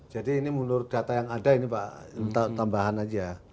jadi ini menurut data yang ada ini pak tambahan aja